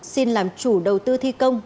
xin làm chủ đầu tư thi công